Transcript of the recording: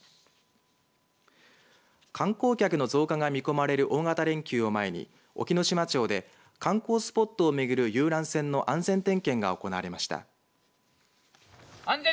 観光客の増加が見込まれる大型連休を前に隠岐の島町で観光スポットを巡る遊覧船の安全点検が行われました。